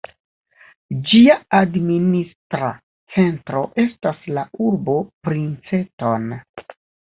Ĝia administra centro estas la urbo Princeton.